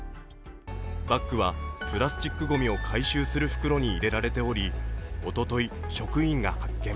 バッグはプラスチックごみを回収する袋に入れられておりおととい職員が発見。